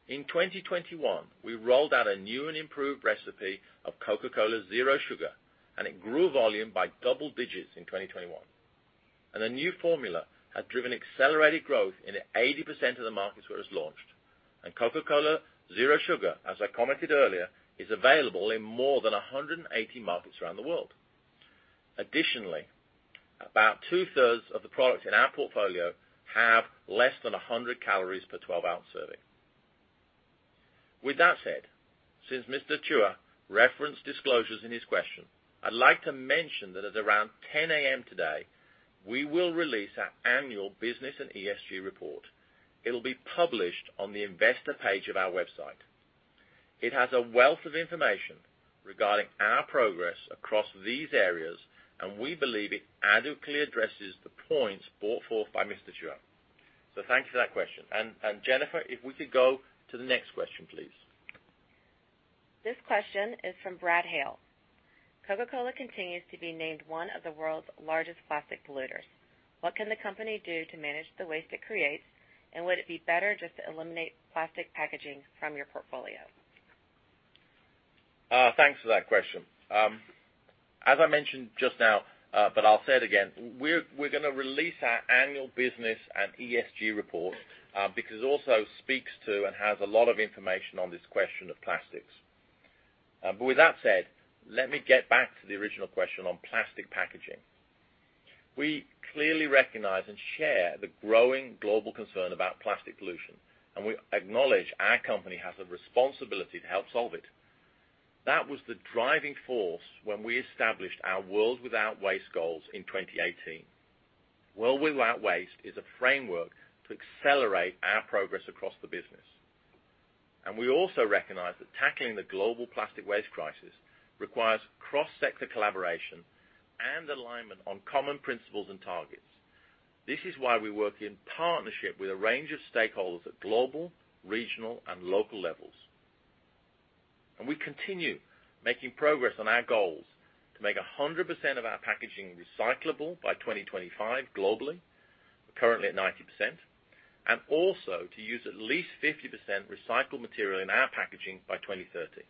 In 2021, we rolled out a new and improved recipe of Coca-Cola Zero Sugar, and it grew volume by double digits in 2021. The new formula has driven accelerated growth in 80% of the markets where it's launched. Coca-Cola Zero Sugar, as I commented earlier, is available in more than 180 markets around the world. Additionally, about 2/3 of the products in our portfolio have less than 100 calories per 12-ounce serving. With that said, since Mr. Chuah referenced disclosures in his question, I'd like to mention that at around 10 A.M. today, we will release our annual business and ESG report. It'll be published on the investor page of our website. It has a wealth of information regarding our progress across these areas, and we believe it adequately addresses the points brought forth by Mr. Chuah. Thank you for that question. Jennifer, if we could go to the next question, please. This question is from Brad Hale. Coca-Cola continues to be named one of the world's largest plastic polluters. What can the company do to manage the waste it creates, and would it be better just to eliminate plastic packaging from your portfolio? Thanks for that question. As I mentioned just now, but I'll say it again, we're gonna release our annual business and ESG report, because it also speaks to and has a lot of information on this question of plastics. But with that said, let me get back to the original question on plastic packaging. We clearly recognize and share the growing global concern about plastic pollution, and we acknowledge our company has a responsibility to help solve it. That was the driving force when we established our World Without Waste goals in 2018. World Without Waste is a framework to accelerate our progress across the business. We also recognize that tackling the global plastic waste crisis requires cross-sector collaboration and alignment on common principles and targets. This is why we work in partnership with a range of stakeholders at global, regional, and local levels. We continue making progress on our goals to make 100% of our packaging recyclable by 2025 globally, currently at 90%, and also to use at least 50% recycled material in our packaging by 2030.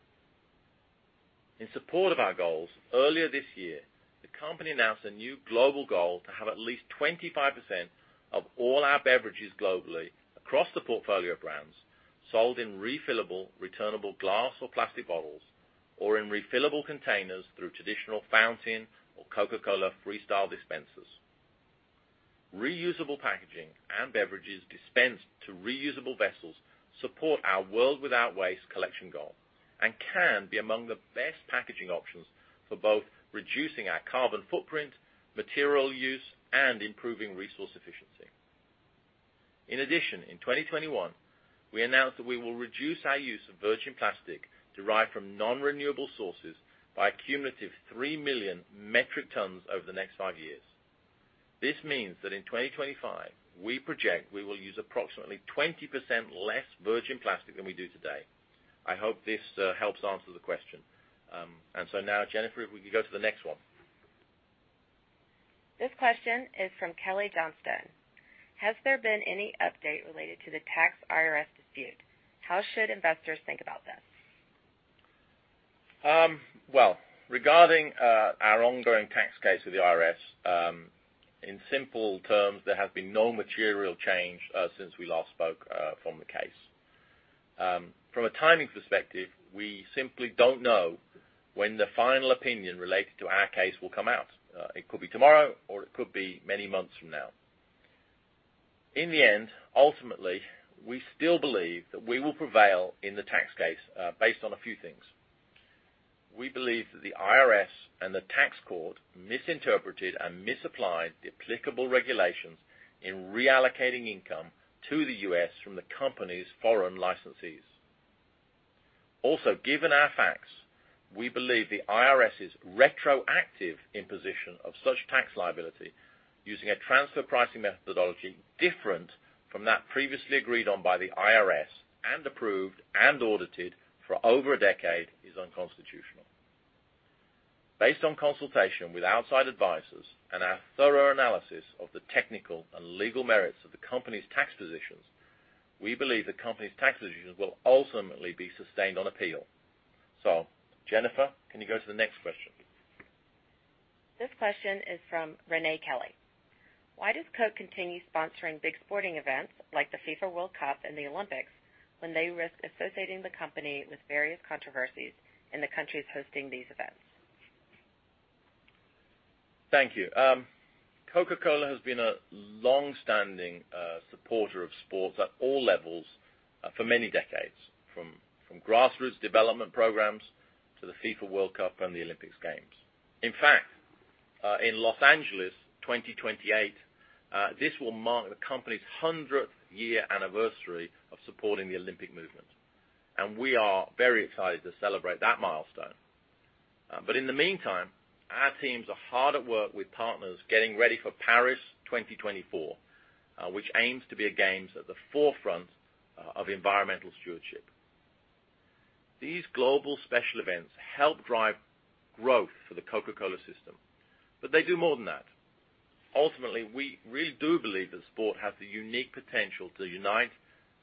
In support of our goals, earlier this year, the company announced a new global goal to have at least 25% of all our beverages globally across the portfolio brands sold in refillable, returnable glass or plastic bottles or in refillable containers through traditional fountain or Coca-Cola Freestyle dispensers. Reusable packaging and beverages dispensed to reusable vessels support our World Without Waste collection goal and can be among the best packaging options for both reducing our carbon footprint, material use, and improving resource efficiency. In addition, in 2021, we announced that we will reduce our use of virgin plastic derived from non-renewable sources by a cumulative 3 million metric tons over the next five years. This means that in 2025, we project we will use approximately 20% less virgin plastic than we do today. I hope this helps answer the question. Now, Jennifer, if we could go to the next one. This question is from Kelly Johnstone. Has there been any update related to the tax IRS dispute? How should investors think about this? Well, regarding our ongoing tax case with the IRS, in simple terms, there has been no material change in the case since we last spoke from the case. From a timing perspective, we simply don't know when the final opinion related to our case will come out. It could be tomorrow, or it could be many months from now. In the end, ultimately, we still believe that we will prevail in the tax case, based on a few things. We believe that the IRS and the tax court misinterpreted and misapplied the applicable regulations in reallocating income to the U.S. from the company's foreign licensees. Also, given our facts, we believe the IRS's retroactive imposition of such tax liability using a transfer pricing methodology different from that previously agreed on by the IRS and approved and audited for over a decade is unconstitutional. Based on consultation with outside advisors and our thorough analysis of the technical and legal merits of the company's tax positions, we believe the company's tax positions will ultimately be sustained on appeal. Jennifer, can you go to the next question? This question is from Renee Kelly. Why does Coke continue sponsoring big sporting events like the FIFA World Cup and the Olympics when they risk associating the company with various controversies in the countries hosting these events? Thank you. Coca-Cola has been a longstanding supporter of sports at all levels for many decades, from grassroots development programs to the FIFA World Cup and the Olympic Games. In fact, in Los Angeles, 2028, this will mark the company's 100th-year anniversary of supporting the Olympic movement, and we are very excited to celebrate that milestone. In the meantime, our teams are hard at work with partners getting ready for Paris 2024, which aims to be the games at the forefront of environmental stewardship. These global special events help drive growth for the Coca-Cola system, but they do more than that. Ultimately, we really do believe that sport has the unique potential to unite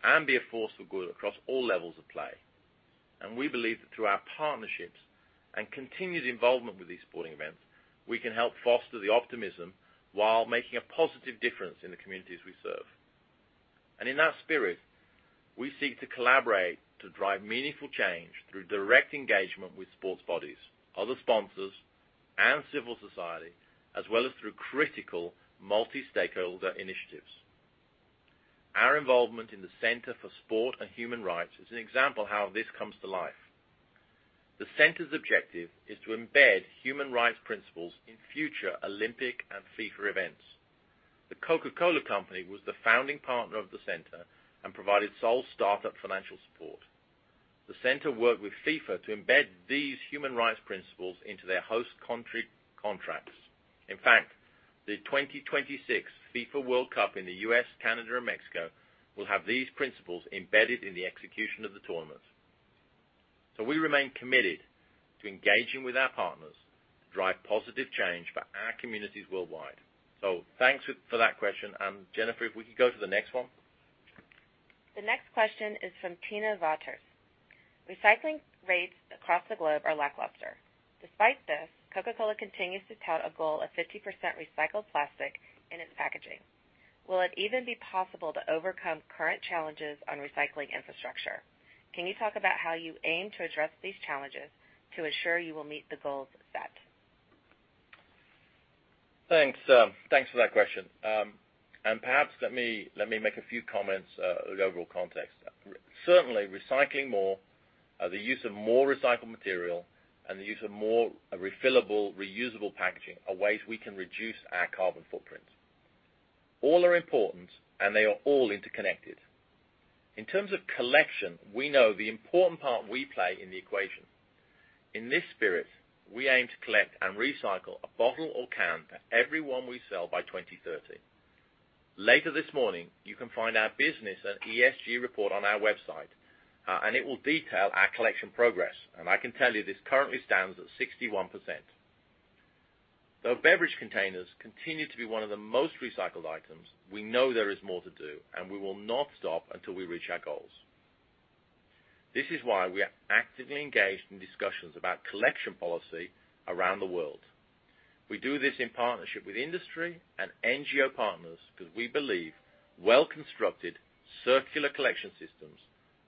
and be a force for good across all levels of play. We believe that through our partnerships and continued involvement with these sporting events, we can help foster the optimism while making a positive difference in the communities we serve. In that spirit, we seek to collaborate to drive meaningful change through direct engagement with sports bodies, other sponsors, and civil society, as well as through critical multi-stakeholder initiatives. Our involvement in the Centre for Sport and Human Rights is an example of how this comes to life. The center's objective is to embed human rights principles in future Olympic and FIFA events. The Coca-Cola Company was the founding partner of the center and provided sole start-up financial support. The center worked with FIFA to embed these human rights principles into their host country contracts. In fact, the 2026 FIFA World Cup in the U.S., Canada, and Mexico will have these principles embedded in the execution of the tournament. We remain committed to engaging with our partners to drive positive change for our communities worldwide. Thanks for that question. Jennifer, if we could go to the next one. The next question is from Tina Vaters. Recycling rates across the globe are lackluster. Despite this, Coca-Cola continues to tout a goal of 50% recycled plastic in its packaging. Will it even be possible to overcome current challenges on recycling infrastructure? Can you talk about how you aim to address these challenges to assure you will meet the goals set? Thanks for that question. Perhaps let me make a few comments on the overall context. Certainly, recycling more, the use of more recycled material and the use of more refillable reusable packaging are ways we can reduce our carbon footprint. All are important, and they are all interconnected. In terms of collection, we know the important part we play in the equation. In this spirit, we aim to collect and recycle a bottle or can for every one we sell by 2030. Later this morning, you can find our business and ESG report on our website, and it will detail our collection progress. I can tell you this currently stands at 61%. Though beverage containers continue to be one of the most recycled items, we know there is more to do, and we will not stop until we reach our goals. This is why we are actively engaged in discussions about collection policy around the world. We do this in partnership with industry and NGO partners because we believe well-constructed circular collection systems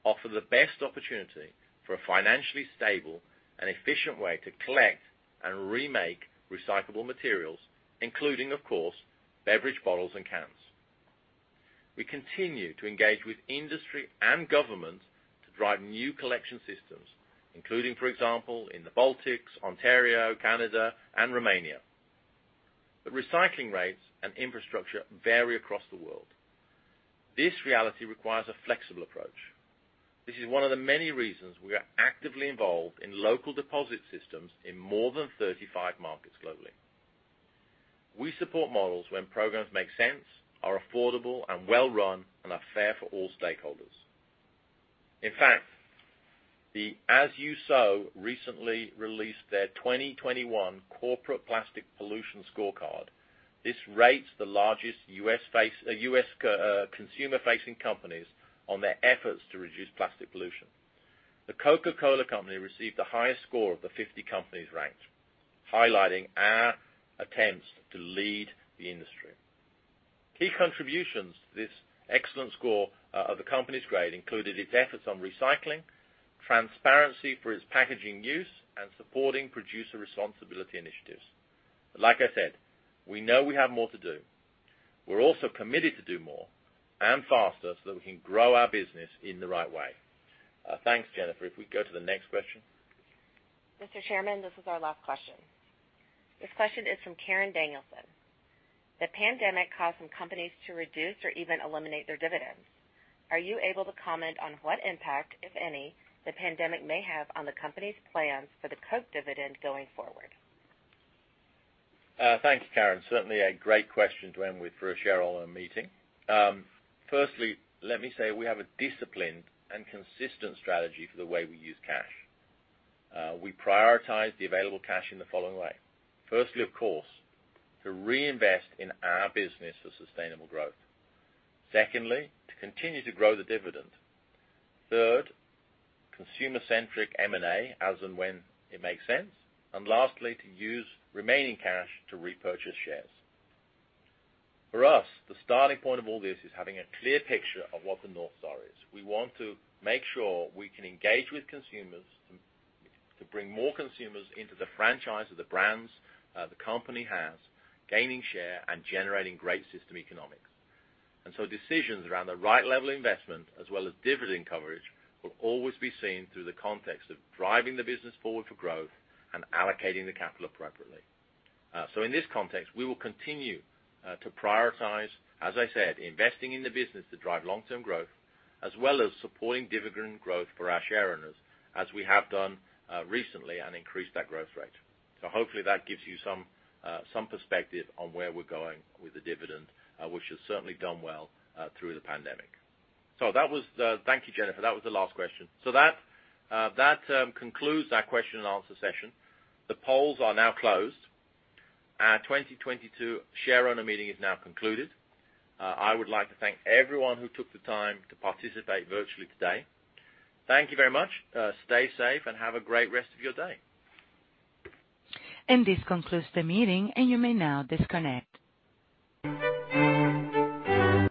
offer the best opportunity for a financially stable and efficient way to collect and remake recyclable materials, including, of course, beverage bottles and cans. We continue to engage with industry and government to drive new collection systems, including, for example, in the Baltics, Ontario, Canada and Romania. The recycling rates and infrastructure vary across the world. This reality requires a flexible approach. This is one of the many reasons we are actively involved in local deposit systems in more than 35 markets globally. We support models when programs make sense, are affordable and well run, and are fair for all stakeholders. In fact, the As You Sow recently released their 2021 Corporate Plastic Pollution Scorecard. This rates the largest U.S. consumer-facing companies on their efforts to reduce plastic pollution. The Coca-Cola Company received the highest score of the 50 companies ranked, highlighting our attempts to lead the industry. Key contributions to this excellent score of the company's grade included its efforts on recycling, transparency for its packaging use, and supporting producer responsibility initiatives. Like I said, we know we have more to do. We're also committed to do more and faster so that we can grow our business in the right way. Thanks, Jennifer, if we go to the next question. Mr. Chairman, this is our last question. This question is from Karen Danielson. The pandemic caused some companies to reduce or even eliminate their dividends. Are you able to comment on what impact, if any, the pandemic may have on the company's plans for the Coke dividend going forward? Thank you, Karen. Certainly a great question to end with for a shareholder meeting. Firstly, let me say we have a disciplined and consistent strategy for the way we use cash. We prioritize the available cash in the following way. Firstly, of course, to reinvest in our business for sustainable growth. Secondly, to continue to grow the dividend. Third, consumer-centric M&A as and when it makes sense. Lastly, to use remaining cash to repurchase shares. For us, the starting point of all this is having a clear picture of what the North Star is. We want to make sure we can engage with consumers to bring more consumers into the franchise of the brands the company has, gaining share and generating great system economics. Decisions around the right level investment as well as dividend coverage will always be seen through the context of driving the business forward for growth and allocating the capital appropriately. In this context, we will continue to prioritize, as I said, investing in the business to drive long-term growth, as well as supporting dividend growth for our shareowners, as we have done recently and increased that growth rate. Hopefully that gives you some perspective on where we're going with the dividend, which has certainly done well through the pandemic. That was the. Thank you, Jennifer, that was the last question. That concludes our question and answer session. The polls are now closed. Our 2022 shareowner meeting is now concluded. I would like to thank everyone who took the time to participate virtually today. Thank you very much. Stay safe and have a great rest of your day. This concludes the meeting, and you may now disconnect.